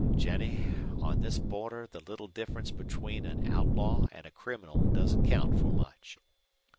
"Jennie, on this border the little difference between an out law and a criminal doesn't count for much."